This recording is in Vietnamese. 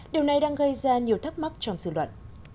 điều này đang gây ra nhiều thắc mắc trong dự luận